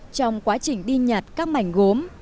trong quá trình đi nhặt các mảnh gốm